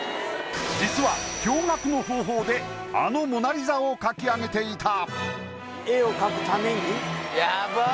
実は驚愕の方法であのモナ・リザを描き上げていた！